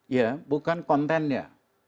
ya bukan kontennya